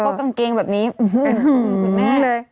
ก็กางเกงแบบนี้อื้อหือคุณแม่